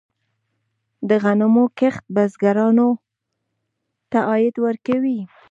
د غنمو کښت بزګرانو ته عاید ورکوي.